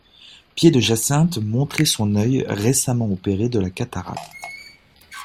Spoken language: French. Pied-de-Jacinthe montrait son œil récemment opéré de la cataracte.